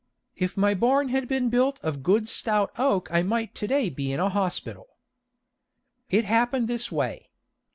If my barn had been built of good stout oak I might to day be in a hospital. It happened this way.